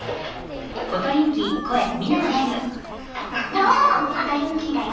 どうもコトリンキーだよ。